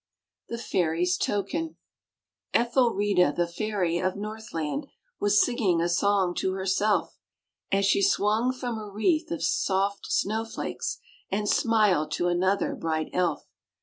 THE FAIRY'S TOKEN. Ethelreda, the Fairy of Northland, Was singing a song to herself, As she swung from a wreath of soft snow flakes, And smiled to another bright elf.